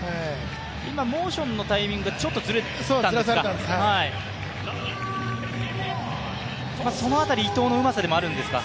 今、モーションのタイミングがちょっとずれたんですか。